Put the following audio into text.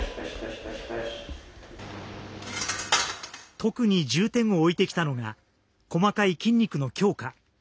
特に重点を置いてきたのが細かい筋肉の強化。